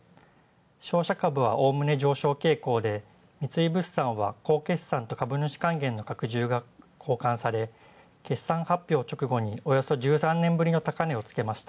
商社株はおおむね上昇傾向で三井物産は好決算と株主還元の拡充が好感され、決算発表直後におよそ１３年ぶりの高値。